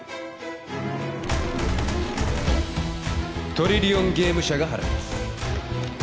トリリオンゲーム社が払います